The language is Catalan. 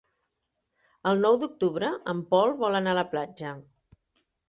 El nou d'octubre en Pol vol anar a la platja.